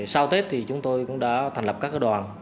sau tết thì chúng tôi cũng đã thành lập các đoàn